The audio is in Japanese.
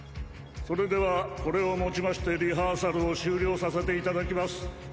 それではこれをもちましてリハーサルを終了させていただきます。